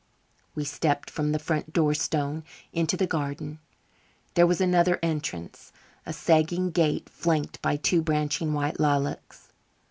We stepped from the front doorstone into the garden. There was another entrance a sagging gate flanked by two branching white lilacs.